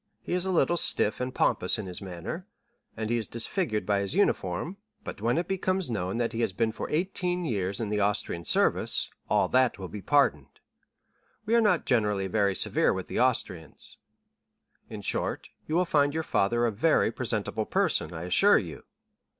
He is a little stiff and pompous in his manner, and he is disfigured by his uniform; but when it becomes known that he has been for eighteen years in the Austrian service, all that will be pardoned. We are not generally very severe with the Austrians. In short, you will find your father a very presentable person, I assure you."